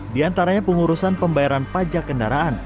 di antaranya pengurusan pembayaran pajak kendaraan